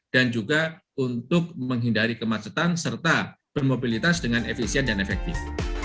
dan juga untuk menghindari kemacetan serta bermobilitas dengan efisien dan efektif